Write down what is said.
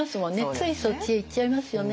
ついそっちへいっちゃいますよね。